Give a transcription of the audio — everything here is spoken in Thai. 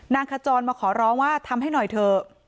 ขจรมาขอร้องว่าทำให้หน่อยเถอะ